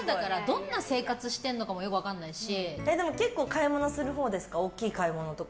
どんな生活してるのかもよく分かんないし。